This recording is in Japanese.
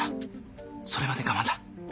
それまで我慢だなっ。